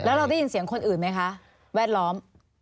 แล้วเราได้ยินเสียงคนอื่นไหมคะแวดล้อม